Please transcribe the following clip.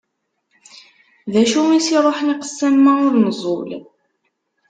D acu i as-iruḥen i qessam ma ur neẓẓul?